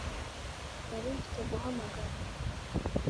Nari mfite guhamagara